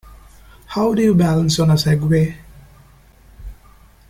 How do you balance on a Segway?